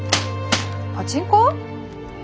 パチンコ？え